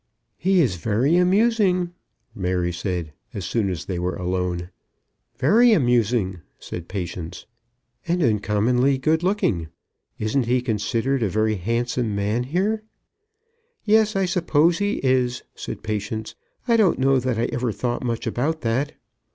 "He is very amusing," Mary said, as soon as they were alone. "Very amusing," said Patience. "And uncommonly good looking. Isn't he considered a very handsome man here?" "Yes; I suppose he is," said Patience. "I don't know that I ever thought much about that."